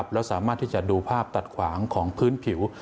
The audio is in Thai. แล้วสามารถที่จะดูภาพตัดขวางของพื้นผิว